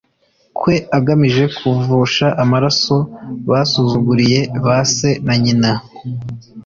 Kwe agamije kuvusha amaraso basuzuguriye ba se na nyina